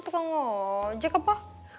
tukang ojek apa